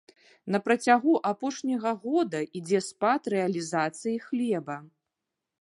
На працягу апошняга года ідзе спад рэалізацыі хлеба.